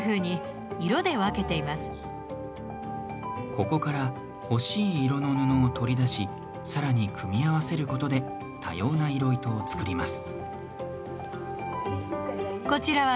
ここから欲しい色の布を取り出しさらに組み合わせることで多様な色糸を作ります。